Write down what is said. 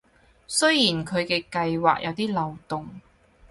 雖然佢嘅計畫有啲漏洞